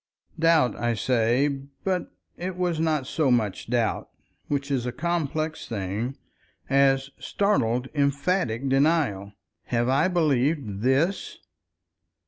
Doubt, I say, but it was not so much doubt—which is a complex thing—as startled emphatic denial. "Have I believed _this!